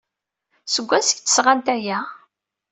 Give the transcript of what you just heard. Seg wansi ay d-sɣant aya?